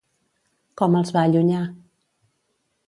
Com els va allunyar?